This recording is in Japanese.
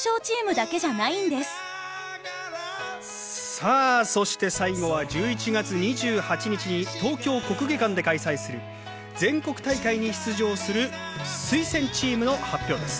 さあそして最後は１１月２８日に東京国技館で開催する全国大会に出場する推薦チームの発表です。